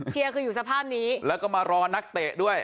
เชียร์คืออยู่สภาพนี้แล้วก็มารอนักเตะด้วย